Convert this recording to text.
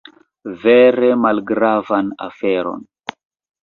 Vere malgravan aferon.